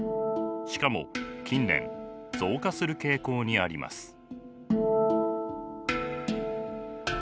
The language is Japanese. しかも近年増加する傾向にあります。